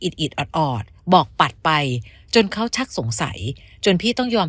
อิดออดบอกปัดไปจนเขาชักสงสัยจนพี่ต้องยอม